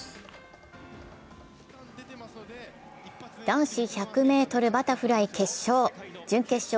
男子１００ｍバタフライ決勝。